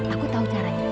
aku tahu caranya